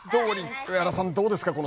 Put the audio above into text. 上原さん、どうですか。